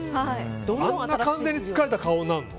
あんな完全に疲れた顔になるの？